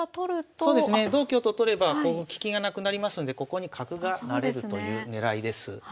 そうですね同香と取れば利きがなくなりますんでここに角が成れるという狙いです。